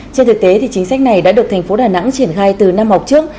trên thực tế chính sách này đã được tp đà nẵng triển khai từ năm học trước